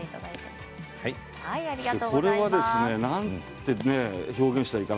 これはなんて表現したらいいかな？